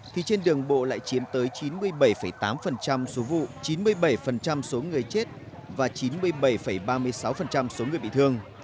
thì trên đường bộ lại chiếm tới chín mươi bảy tám số vụ chín mươi bảy số người chết và chín mươi bảy ba mươi sáu số người bị thương